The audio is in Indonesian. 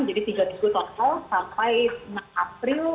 jadi tiga minggu total sampai enam april